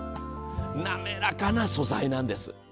滑らかな素材なんです。